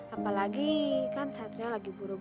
apalagi kan satria lagi berubah